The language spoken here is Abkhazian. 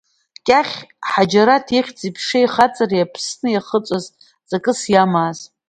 Кьахь Ҳаџьараҭ ихьӡ-иԥшеи ихаҵареи Аԥсны иахыҵәаз ҵакыс иамаз.